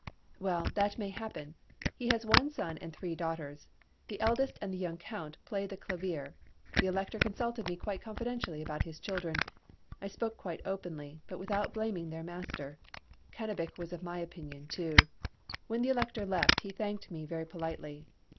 Well, that may happen. He has one son and three daughters; the eldest and the young Count play the clavier. The Elector consulted me quite confidentially about his children. I spoke quite openly, but without blaming their master. Cannabich was of my opinion, too. When the Elector left he thanked me very politely.